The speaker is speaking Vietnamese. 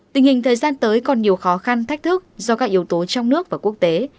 tình hình thời gian tới còn nhiều khó khăn thách thức do các yếu tố trong nước và quốc tế